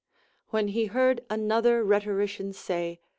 AVhen he heard another rhetorician say.